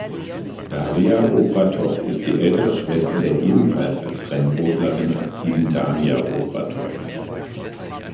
Daria Obratov ist die ältere Schwester der ebenfalls als Rennrodlerin aktiven Dania Obratov.